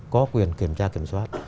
có quyền kiểm tra kiểm soát